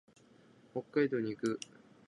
北海道に行く。